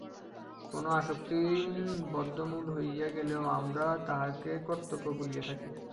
কোন আসক্তি বদ্ধমূল হইয়া গেলেই আমরা তাহাকে কর্তব্য বলিয়া থাকি।